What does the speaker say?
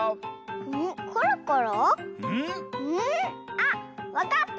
あっわかった！